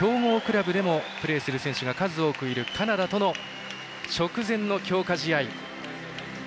ヨーロッパの強豪クラブでもプレーする選手が多くいるカナダとの直前の強化試合。